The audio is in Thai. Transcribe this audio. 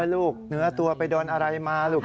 เนื้อตัวไปโดนอะไรมาลูก